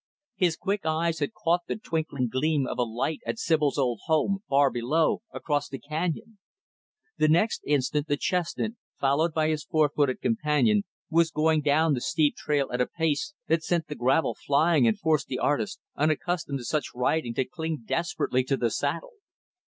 His quick eyes had caught the twinkling gleam of a light at Sibyl's old home, far below, across the canyon. The next instant, the chestnut, followed by his four footed companion, was going down the steep trail at a pace that sent the gravel flying and forced the artist, unaccustomed to such riding, to cling desperately to the saddle.